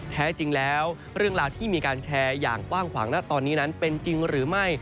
แท้จริงแล้วเรื่องราวที่มีการแชร์อย่างกว้างขวางณตอนนี้นั้นเป็นจริงหรือไม่